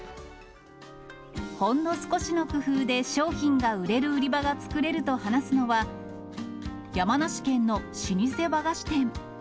ほんの少しの工夫で、商品が売れる売り場が作れると話すのは、山梨県の老舗和菓子店。